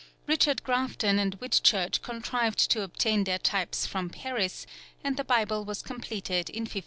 Richard Grafton and Whitchurch contrived to obtain their types from Paris, and the Bible was completed in 1539.